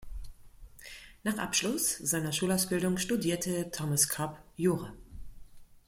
Nach Abschluss seiner Schulausbildung studierte Thomas Cobb Jura.